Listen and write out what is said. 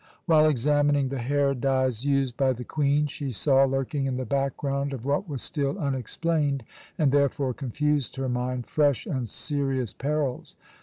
While examining the hair dyes used by the Queen she saw, lurking in the background of what was still unexplained, and therefore confused her mind, fresh and serious perils.